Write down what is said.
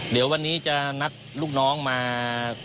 เดี๋ยววันนี้จะนัดลูกน้องมา